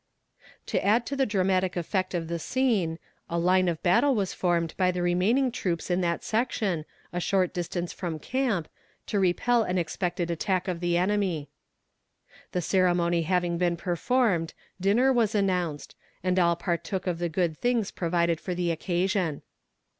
To add to the dramatic effect of the scene, a line of battle was formed by the remaining troops in that section, a short distance from camp, to repel an expected attack of the enemy. The ceremony having been performed, dinner was announced, and all partook of the good things provided for the occasion.